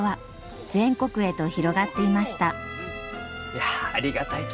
いやありがたいき。